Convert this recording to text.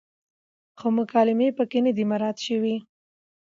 خو مکالمې پکې نه دي مراعت شوې،